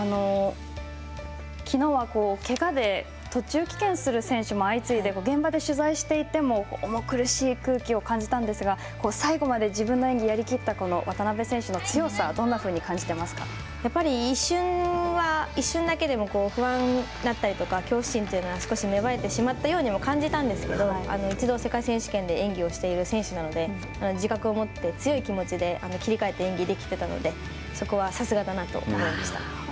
きのうは、けがで途中棄権する選手も相次いで、現場で取材をしていても重苦しい空気を感じたんですが、最後まで自分の演技をやり切った渡部選手の強さ、一瞬だけでは、不安だったりとか恐怖心というのが、少し芽生えてしまったようにも感じたんですけれども、一度世界選手権で演技をしている選手なので、自覚を持って、強い気持ちで、切り替えて演技ができていたので、そこはさ